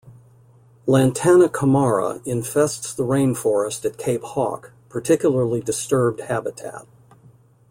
"Lantana camara" infests the rainforest at Cape Hawke, particularly disturbed habitat.